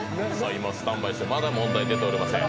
今、スタンバイして、まだ問題出ておりません。